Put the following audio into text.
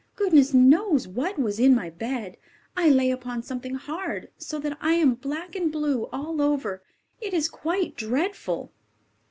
Goodness knows what was in my bed. I lay upon something hard, so that I am black and blue all over. It is quite dreadful!"